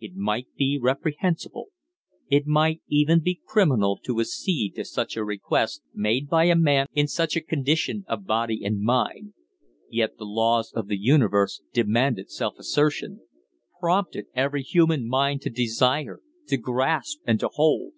It might be reprehensible, it might even be criminal to accede to such a request, made by a man in such a condition of body and mind; yet the laws of the universe demanded self assertion prompted every human mind to desire, to grasp, and to hold.